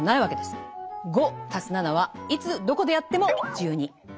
５＋７はいつどこでやっても１２。